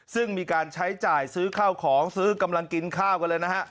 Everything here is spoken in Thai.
ซึ่งมีการใช้จ่ายซื้อข้าวของซื้อกำลังกินข้าวกันเลยนะฮะ